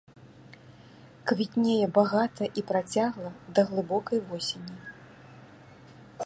Квітнее багата і працягла да глыбокай восені.